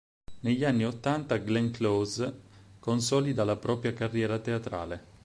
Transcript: Negli anni ottanta Glenn Close consolida la propria carriera teatrale.